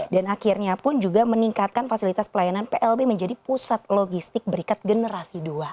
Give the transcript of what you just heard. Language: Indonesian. dan akhirnya pun juga meningkatkan fasilitas pelayanan plb menjadi pusat logistik berikat generasi dua